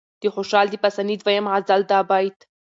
د خوشال د پاسني دويم غزل دا بيت